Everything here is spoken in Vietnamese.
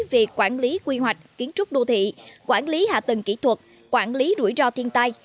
về quản lý quy hoạch kiến trúc đô thị quản lý hạ tầng kỹ thuật quản lý rủi ro thiên tai